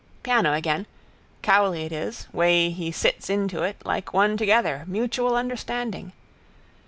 Piano again. Cowley it is. Way he sits in to it, like one together, mutual understanding.